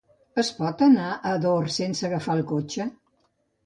Es pot anar a Ador sense agafar el cotxe?